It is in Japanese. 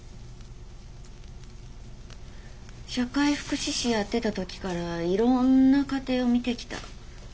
社会福祉士やってた時からいろんな家庭を見てきた。